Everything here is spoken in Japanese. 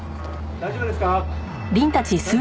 大丈夫ですか？